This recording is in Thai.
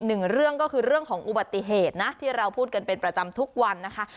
หนึ่งเรื่องก็คือเรื่องของอุบัติเหตุนะที่เราพูดกันเป็นประจำทุกวันนะคะ